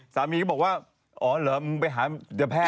สามีก็บอกว่าอ๋อเหรอมึงไปหาเจอแพทย์